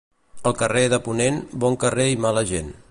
El carrer de Ponent, bon carrer i mala gent.